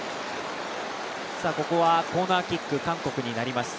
ここはコーナーキック韓国になります。